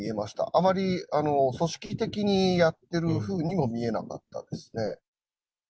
あまり組織的にやってるふうにも見えなかったですね。